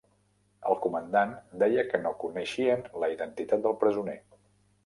El comandant deia que no coneixien la identitat del presoner.